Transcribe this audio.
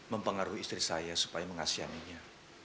mempengaruhi istri saya supaya mengasihaninya